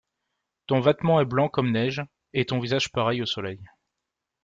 Ton vêtement est blanc comme neige, et ton visage pareil au soleil.